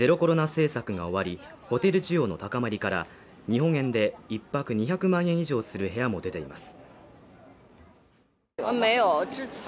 政策が終わり、ホテル需要の高まりから、日本円で１泊２００万円以上する部屋も出ています。